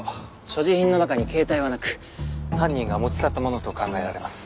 所持品の中に携帯はなく犯人が持ち去ったものと考えられます。